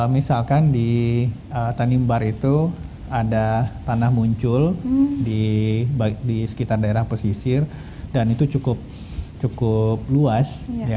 misalkan di tanimbar itu ada tanah muncul di sekitar daerah pesisir dan itu cukup luas